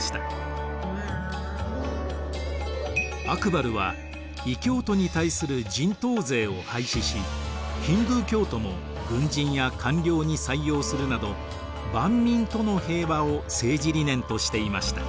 アクバルは異教徒に対する人頭税を廃止しヒンドゥー教徒も軍人や官僚に採用するなど万民との平和を政治理念としていました。